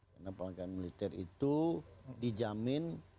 karena pangkalan militer itu dijamin